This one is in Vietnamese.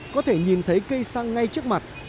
có thể nhìn thấy cây xăng ngay trước mặt